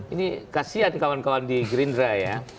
ini kasian kawan kawan di gerindra ya